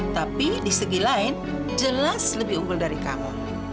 tapi di segi lain jelas lebih unggul dari kamu